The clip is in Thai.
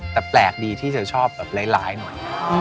แต่แปลกดีที่เธอชอบแบบร้ายหน่อย